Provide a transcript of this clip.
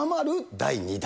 第２弾。